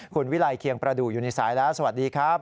คุณวิลัยเคียงประดูกอยู่ในสายแล้วสวัสดีครับ